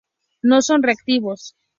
No son reactivos.